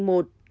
hà nội một